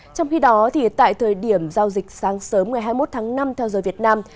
trong khi đó tại thời điểm giao dịch sáng sớm ngày hai mươi một tháng năm theo giờ việt nam